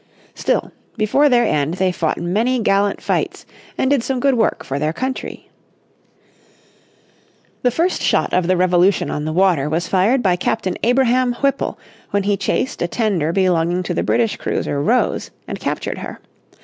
Still before their end they fought many gallant fights, and did some good work for their country. The first shot of the Revolution on the water was fired by Captain Abraham Whipple when he chased a tender belonging to the British cruiser Rose, and captured her.